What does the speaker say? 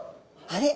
あれ？